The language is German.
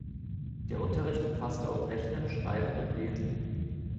Der Unterricht umfasste auch Rechnen, Schreiben und Lesen.